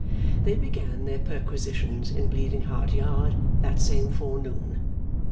They began their perquisitions in Bleeding Heart Yard that same forenoon.